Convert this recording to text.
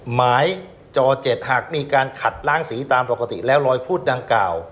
หมายจอ๗หากมีการขัดล้างสีตามปกติแล้วรอยพูดดังกล่าว